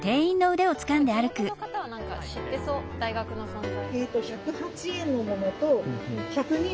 でも地元の方は何か知ってそう大学の存在。